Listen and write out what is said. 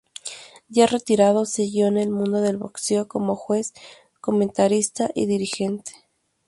Ya retirado siguió en el mundo del boxeo como juez, comentarista y dirigente.